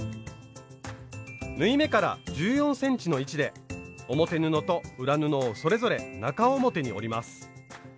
縫い目から１４ｃｍの位置で表布と裏布をそれぞれ中表に折ります。